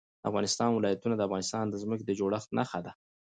د افغانستان ولايتونه د افغانستان د ځمکې د جوړښت نښه ده.